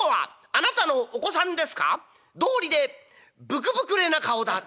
どうりでぶくぶくれな顔だ』」。